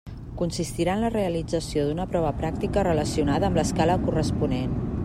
Consistirà en la realització d'una prova pràctica relacionada amb l'escala corresponent.